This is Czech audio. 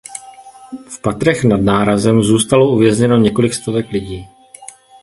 V patrech nad nárazem zůstalo uvězněno několik stovek lidí.